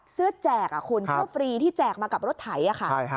เสื้อแจกคุณช่วงฟรีที่แจกมากับรถไถค่ะ